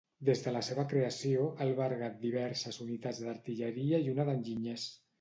Des de la seva creació ha albergat diverses unitats d'artilleria i una d'enginyers.